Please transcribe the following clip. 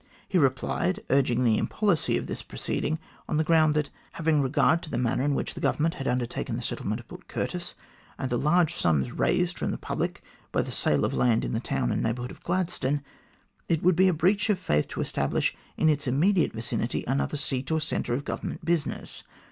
He replied, urging the impolicy of this proceeding on the ground that, having regard to the manner in which the Government had under taken the settlement of Port Curtis, and the large sums raised from the public by the sale of land in the town and neighbourhood of Gladstone, it would be a breach of faith to establish in its immediate vicinity another seat or centre of Government business.